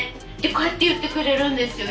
こうやって言ってくれるんですよ